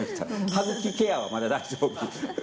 歯茎ケアはまだ大丈夫。